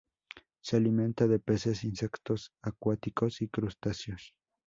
Se alimenta de peces, insectos acuáticos y crustáceos.